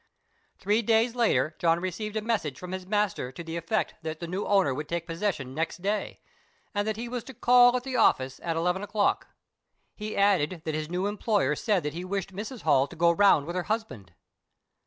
Three days later John received a message from his master to the effect that the new owner would take possession next day, and that he was to call at the office at eleven o'clock. He added that his new employer said that he wished Mrs. Holl to go round with her husband.